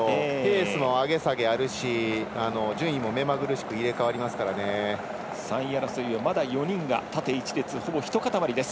ペースも上げ下げあるし順位も目まぐるしく３位争いはまだ４人が縦一列ほぼひと固まりです。